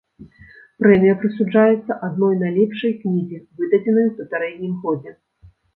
Прэмія прысуджаецца адной найлепшай кнізе, выдадзенай у папярэднім годзе.